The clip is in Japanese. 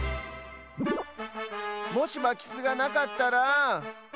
もしまきすがなかったら。